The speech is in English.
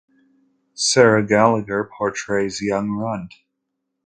Sarah Gallagher portrays Young Runt.